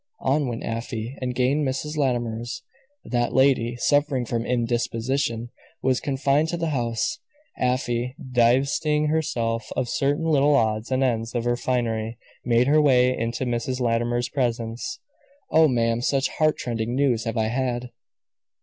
On went Afy, and gained Mrs. Latimer's. That lady, suffering from indisposition was confined to the house. Afy, divesting herself of certain little odds and ends of her finery, made her way into Mrs. Latimer's presence. "Oh, ma'am, such heartrending news as I have had!"